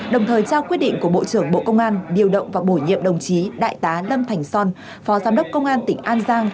đồng thời trao quyết định của bộ trưởng bộ công an điều động và bổ nhiệm đồng chí đại tá lâm thành son phó giám đốc công an tỉnh an giang